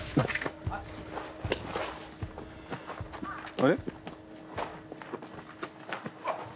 ・あれ？